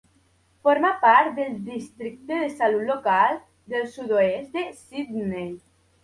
Forma part del districte de salut local del sud-oest de Sydney.